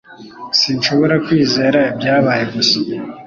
Sinshobora kwizera ibyabaye gusa